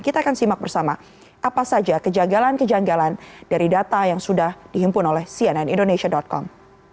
kita akan simak bersama apa saja kejanggalan kejanggalan dari data yang sudah dihimpun oleh cnnindonesia com